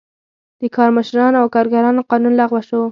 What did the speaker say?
د کارمشرانو او کارګرانو قانون لغوه شو.